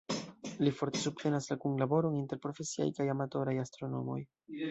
Li forte subtenas la kunlaboron inter profesiaj kaj amatoraj astronomoj.